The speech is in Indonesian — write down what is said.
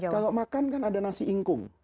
kalau makan kan ada nasi ingkung